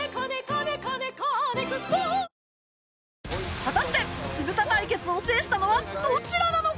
果たして酢豚対決を制したのはどちらなのか？